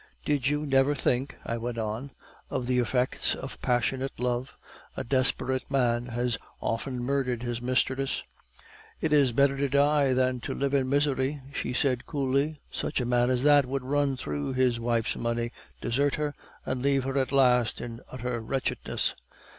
"'Did you never think,' I went on, 'of the effects of passionate love? A desperate man has often murdered his mistress.' "'It is better to die than to live in misery,' she said coolly. 'Such a man as that would run through his wife's money, desert her, and leave her at last in utter wretchedness.